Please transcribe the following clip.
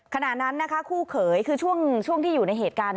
ขณะนั้นนะคะคู่เขยคือช่วงที่อยู่ในเหตุการณ์